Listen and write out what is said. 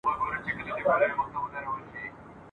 تاسو به ور څخه غافل ياست.